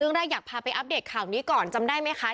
เรื่องแรกอยากพาไปอัปเดตข่าวนี้ก่อนจำได้มั้ยคะ